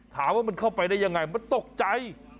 ถามว่ามันเข้าไปได้ยังไงมันตกใจ